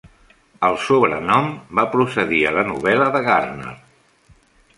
El sobrenom va procedir a la novel·la de Gardner.